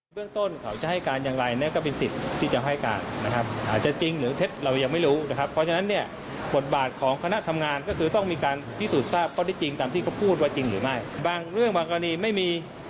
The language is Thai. มีช่องทางที่จะรวบรวมภัยการเพื่อยืนยันว่า